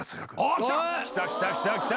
きたきたきたきた！